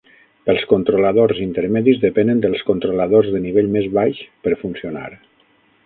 Els controladors intermedis depenen dels controladors de nivell més baix per funcionar.